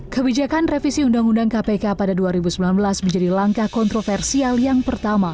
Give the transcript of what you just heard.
kebijakan revisi undang undang kpk pada dua ribu sembilan belas menjadi langkah kontroversial yang pertama